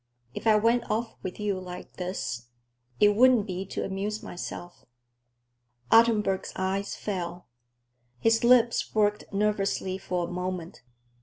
If I went off with you like this, it wouldn't be to amuse myself." Ottenburg's eyes fell. His lips worked nervously for a moment.